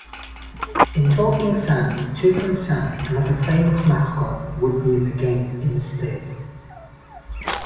In Talking Sam, Toucan Sam, another famous mascot, would be in the game, instead.